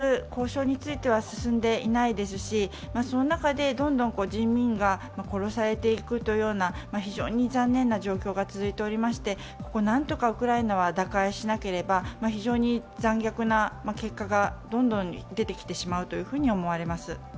全く交渉については進んでいないですし、その中でどんどん人民が殺されていくというような非常に残念な状況が続いていまして、ここを何とかウクライナは打開しなければ、非常に残虐な結果がどんどん出てきてしまうと思われます。